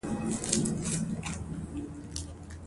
پښتو ادبیات د ذهنونو روڼتیا تضمینوي.